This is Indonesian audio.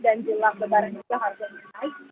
dan jelang lebaran juga harganya naik